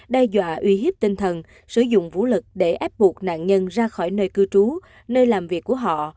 đe dọa uy hiếp tinh thần sử dụng vũ lực để ép buộc nạn nhân ra khỏi nơi cư trú nơi làm việc của họ